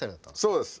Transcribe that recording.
そうです。